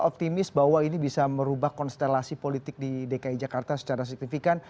optimis bahwa ini bisa merubah konstelasi politik di dki jakarta secara signifikan